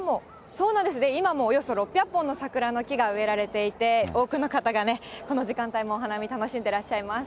そうなんです、今もおよそ６００本の桜の木が植えられていて、多くの方がね、この時間帯もお花見、楽しんでらっしゃいます。